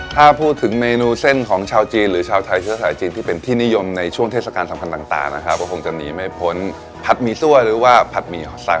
ถ้าพูดถึงเมนูเส้นของชาวจีนหรือชาวไทยเชื้อสายจีนที่เป็นที่นิยมในช่วงเทศกาลสำคัญต่างนะครับก็คงจะหนีไม่พ้นผัดหมี่ซั่วหรือว่าผัดหมี่หอไซค